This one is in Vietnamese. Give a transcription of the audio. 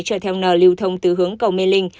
trở theo nờ liều thông từ hướng cầu mê linh